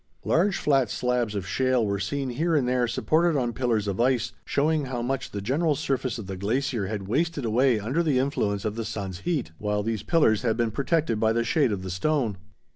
Large flat slabs of shale were seen here and there supported on pillars of ice, showing how much the general surface of the glacier had wasted away under the influence of the sun's heat, while these pillars had been protected by the shade of the stone.